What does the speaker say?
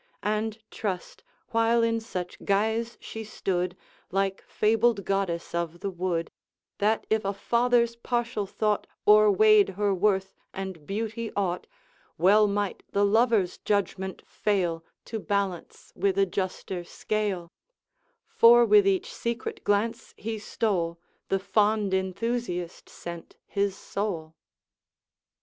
And, trust, while in such guise she stood, Like fabled Goddess of the wood, That if a father's partial thought O'erweighed her worth and beauty aught, Well might the lover's judgment fail To balance with a juster scale; For with each secret glance he stole, The fond enthusiast sent his soul.